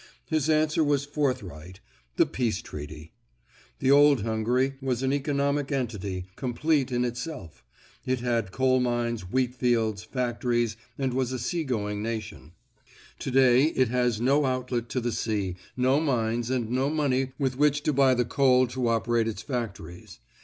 His answer was forthright—the Peace Treaty. The old Hungary was an economic entity, complete in itself. It had coal mines, wheatfields, factories, and was a seagoing nation. Today it has no outlet to the sea, no mines and no money with which to buy the coal to operate its factories.